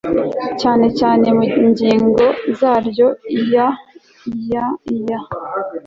cyane cyane mu ngingo zaryo iya iya iya